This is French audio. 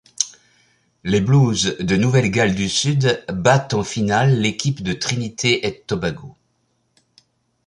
Les Blues de Nouvelle-Galles du Sud battent en finale l'équipe de Trinité-et-Tobago.